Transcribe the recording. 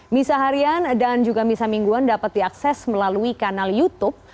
misa harian dan juga misa mingguan dapat diakses melalui kanal youtube